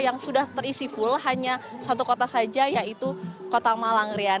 yang sudah terisi full hanya satu kota saja yaitu kota malang rian